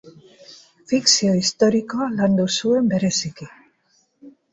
Fikzio historikoa landu zuen bereziki.